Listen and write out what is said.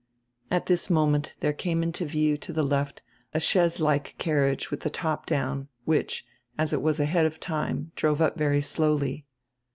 At diis moment diere came into view to die left a chaise like carriage widi die top down, which, as it was ahead of time, drove up very slowly.